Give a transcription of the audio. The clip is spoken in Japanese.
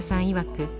いわく